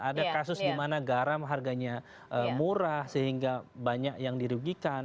ada kasus di mana garam harganya murah sehingga banyak yang dirugikan